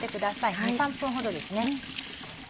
２３分ほどですね。